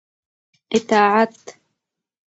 اطاعت